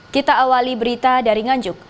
kita awali berita dari nganjuk